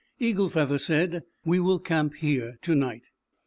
Eagle Feather, said: "We will camp here to night."